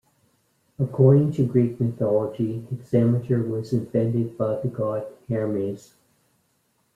According to Greek mythology, hexameter was invented by the god Hermes.